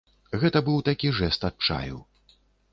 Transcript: Гэта быў такі жэст адчаю.